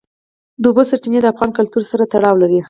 د اوبو سرچینې د افغان کلتور سره تړاو لري.